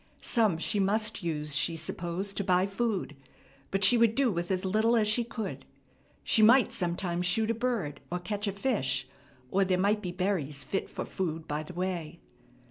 Some she must use, she supposed, to buy food; but she would do with as little as she could. She might sometimes shoot a bird, or catch a fish; or there might be berries fit for food by the way.